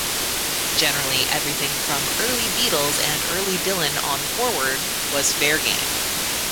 Generally everything from early Beatles and early Dylan on forward was fair game.